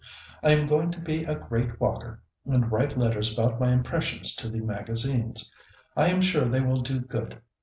I am going to be a great walker, and write letters about my impressions to the magazines. I am sure they will do good.